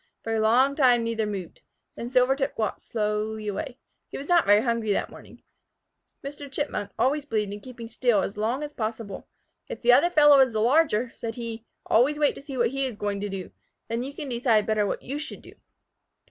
For a long time neither moved. Then Silvertip walked slowly away. He was not very hungry that morning. Mr. Chipmunk always believed in keeping still as long as possible. "If the other fellow is the larger," said he, "always wait to see what he is going to do. Then you can decide better what you should do."